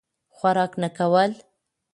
خوراک نه کول.